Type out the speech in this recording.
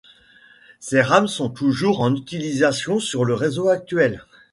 Ces rames sont toujours en utilisation sur le réseau actuel.